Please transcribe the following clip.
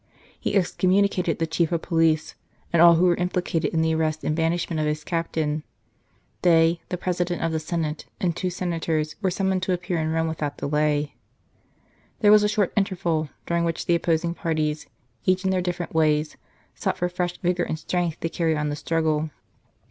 He excommunicated the Chief of Police and all who were implicated in the arrest and banishment of his Captain ; they, the President of 75 St. Charles Borromeo the Senate, and two senators, were summoned to appear in Rome without delay. There was a short interval, during which the opposing parties, each in their different ways, sought for fresh vigour and strength to carry on the struggle.